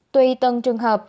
tùy tầng trường hợp